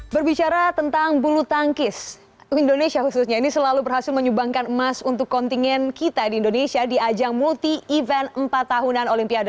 berbicara tentang bulu tangkis indonesia khususnya ini selalu berhasil menyumbangkan emas untuk kontingen kita di indonesia di ajang multi event empat tahunan olimpiade